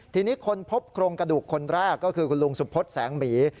ทีนี้คนพบโครงกระดูกคนแรกก็คือคุณลุงสุพศแสงหมี